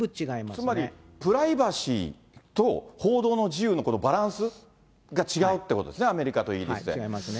つまり、プライバシーと報道の自由のこのバランスが違うってことですね、違いますね。